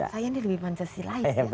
saya ini lebih pancasila